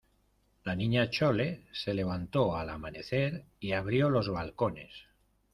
la Niña Chole se levantó al amanecer y abrió los balcones.